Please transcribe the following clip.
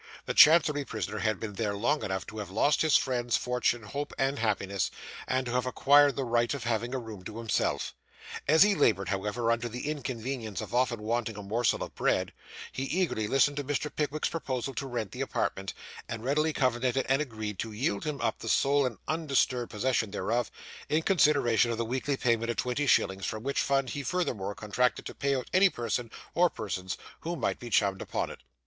The Chancery prisoner had been there long enough to have lost his friends, fortune, home, and happiness, and to have acquired the right of having a room to himself. As he laboured, however, under the inconvenience of often wanting a morsel of bread, he eagerly listened to Mr. Pickwick's proposal to rent the apartment, and readily covenanted and agreed to yield him up the sole and undisturbed possession thereof, in consideration of the weekly payment of twenty shillings; from which fund he furthermore contracted to pay out any person or persons that might be chummed upon it.